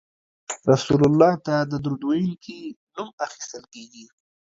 رسول الله ته د درود ویونکي نوم اخیستل کیږي